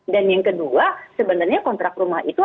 dan yang kedua sebenarnya kontrak rumah itu